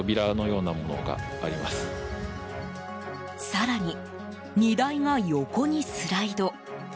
更に、荷台が横にスライド。